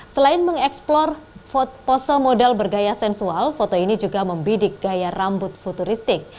selain mengeksplor pose model bergaya sensual foto ini juga membidik gaya rambut futuristik